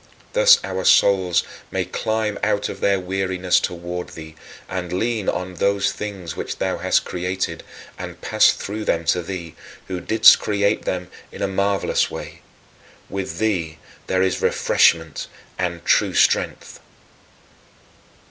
Thus our souls may climb out of their weariness toward thee and lean on those things which thou hast created and pass through them to thee, who didst create them in a marvelous way. With thee, there is refreshment and true strength.